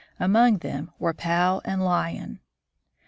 Among them were Pau and Lion.